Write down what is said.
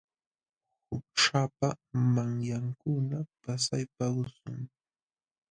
Qućhapa manyankuna pasaypa usum.